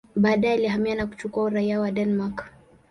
Baadaye alihamia na kuchukua uraia wa Denmark.